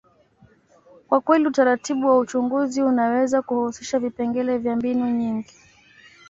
kwa kweli, utaratibu wa uchunguzi unaweza kuhusisha vipengele vya mbinu nyingi.